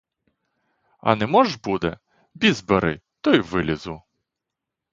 А не мож буде, — біс бери, то і вилізу.